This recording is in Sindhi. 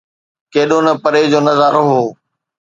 ڪيڏو نه پري جو نظارو هو.